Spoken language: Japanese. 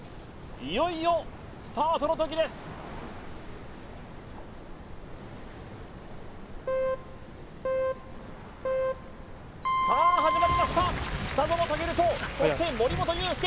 いよいよスタートの時ですさあ始まりました北園丈琉とそして森本裕介